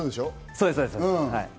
そうです。